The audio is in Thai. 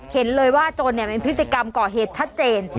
เห็นเลยว่าโจรเป็นพฤติกรรมก่อเหตุชัดเจน